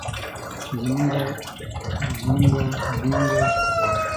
زمونږه زمونګه زمينګه